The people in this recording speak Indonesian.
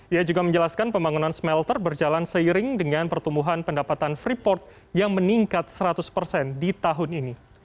ia juga menjelaskan pembangunan smelter berjalan seiring dengan pertumbuhan pendapatan freeport yang meningkat seratus persen di tahun ini